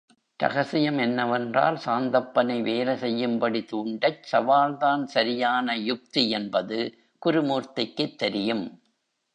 ரகசியம் என்னவென்றால், சாந்தப்பனை வேலை செய்யும்படி தூண்டச் சவால் தான் சரியான யுக்தி என்பது குருமூர்த்திக்குத் தெரியும்.